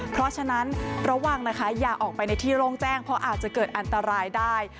เพราะฉะนั้นระวังนะคะอย่าออกไปในที่โร่งแจ้งเพราะอาจจะเกิดอันตรายได้